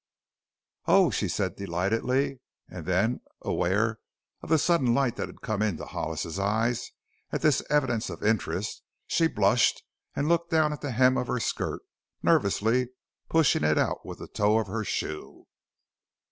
"Oh!" she said delightedly. And then, aware of the sudden light that had come into Hollis's eyes at this evidence of interest, she blushed and looked down at the hem of her skirt, nervously pushing it out with the toe of her shoe.